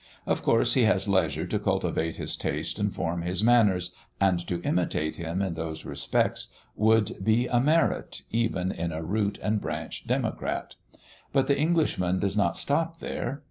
Of course he has leisure to cultivate his taste and form his manners, and to imitate him in those respects would be a merit, even in a root and branch democrat. But the Englishman does not stop there.